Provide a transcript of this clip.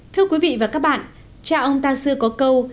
thưa quý vị và các bạn cha ông ta xưa có câu